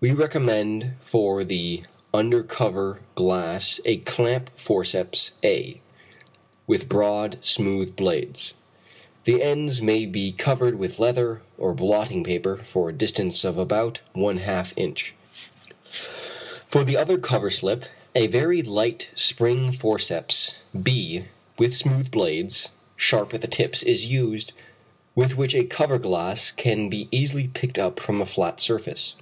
We recommend for the under cover glass a clamp forceps a, with broad, smooth blades; the ends may be covered with leather or blotting paper for a distance of about 1/2 in. For the other cover slip a very light spring forceps b, with smooth blades, sharp at the tips, is used, with which a cover glass can be easily picked up from a flat surface.